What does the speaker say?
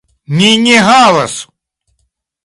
Ni ne havos!